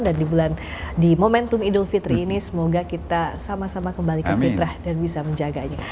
dan di bulan di momentum idul fitri ini semoga kita sama sama kembali ke fitrah dan bisa menjaganya